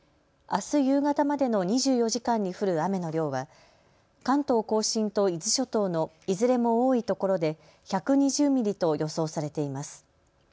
あす夕方までの２４時間に降る雨の量は関東甲信と伊豆諸島のいずれも多いところで１２０ミリと予想されています。